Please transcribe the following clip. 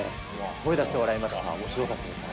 声出して笑いました、おもしろかったです。